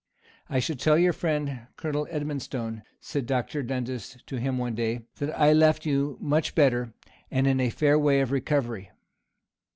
"I shall tell your friend, Colonel Edmonstone," said Dr. Dundas, to him one day, "that I left you much better, and in a fair way of recovery."